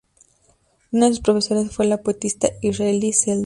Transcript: Uno de sus profesores fue la poetisa israelí Zelda.